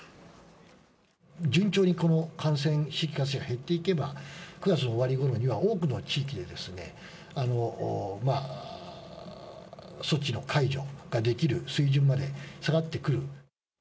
順調にこの感染、新規感染が減っていけば、９月の終わりごろには、多くの地域で、措置の解除ができる水準まで下がってくる。